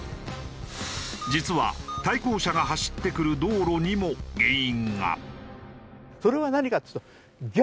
実は対向車が走ってくる道路にも原因が。